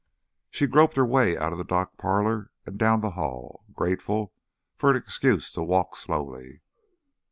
She groped her way out of the dark parlor and down the hall, grateful for an excuse to walk slowly.